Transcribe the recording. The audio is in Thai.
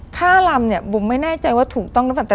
ถ้าลำเนี่ยบุงไม่แน่ใจว่าถูกต้องหรือเปล่า